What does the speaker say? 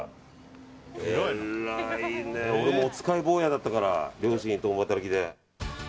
僕もおつかい坊やだったから両親共働きで。